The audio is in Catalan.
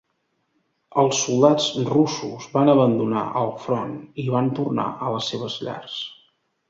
Els soldats russos van abandonar el front i van tornar a les seves llars.